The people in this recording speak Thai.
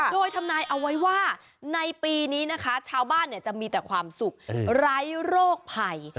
โดยทำนายเอาไว้ว่าในปีนี้นะคะชาวบ้านจะมีแต่ความสุขไร้โรคภัย